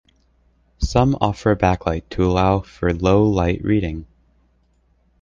Some offer a backlight to allow for low-light reading.